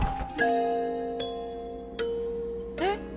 えっ。